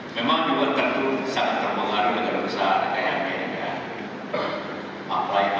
memang juga tertentu sangat terpengaruh dengan perusahaan negara amerika